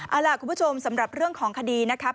เอาล่ะคุณผู้ชมสำหรับเรื่องของคดีนะครับ